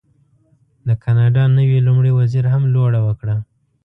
د کاناډا نوي لومړي وزیر هم لوړه وکړه.